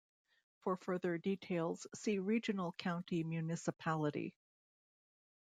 For further details, see Regional county municipality.